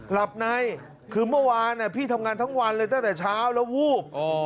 หลับในคือเมื่อวานพี่ทำงานทั้งวันเลยตั้งแต่เช้าแล้ววูบ